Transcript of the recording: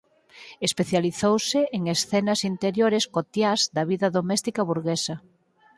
Especializouse en escenas interiores cotiás da vida doméstica burguesa.